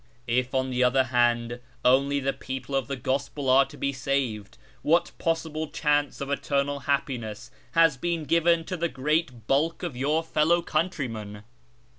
If, on the other hand, only the people of the Gospel are to be saved, what possible chance of eternal happiness has been given to the great bulk of your fellow countrymen